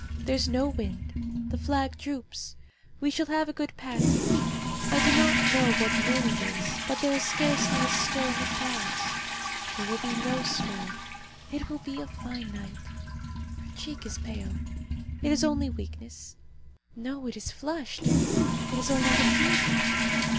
There is no wind: the flag droops. We shall have a good passage. I do not know what moon it is, but there is scarcely a stir in the clouds. There will be no swell. It will be a fine night. Her cheek is pale; it is only weakness! No, it is flushed; it is only the fever.